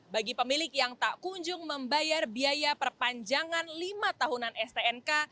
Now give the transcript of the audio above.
bagi pemilik yang tak kunjung membayar biaya perpanjangan lima tahunan stnk